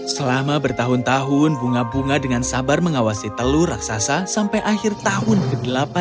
selama bertahun tahun bunga bunga dengan sabar mengawasi telur raksasa sampai akhir tahun ke delapan